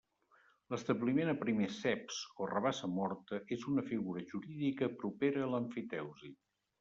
L'establiment a primers ceps o rabassa morta és una figura jurídica propera a l'emfiteusi.